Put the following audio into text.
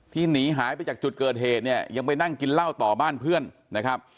หนีหายไปจากจุดเกิดเหตุเนี่ยยังไปนั่งกินเหล้าต่อบ้านเพื่อนนะครับ